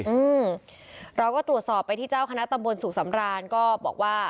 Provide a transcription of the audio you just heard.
อืมเราก็ตรวจสอบไปที่เจ้าคณะตำบลสู่สำรานก็บอกว่า